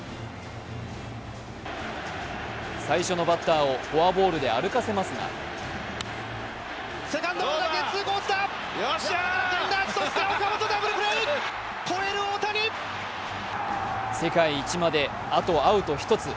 最初のバッターをフォアボールで歩かせますが世界一まであとアウト１つ。